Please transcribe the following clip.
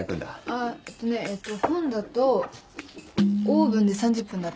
あっえっとねえっと本だとオーブンで３０分だって。